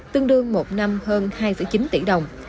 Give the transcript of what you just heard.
tương đương một năm hơn hai chín tỷ đồng